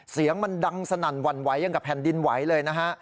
เสียงมันดังสนั่นหวั่นไหวอย่างกับแผ่นดินไหวเลยนะฮะ